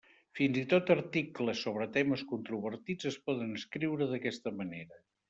Fins i tot articles sobre temes controvertits es poden escriure d'aquesta manera.